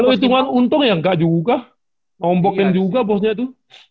kalau hitungan untung ya nggak juga ngombokin juga bosnya itu